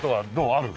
ある？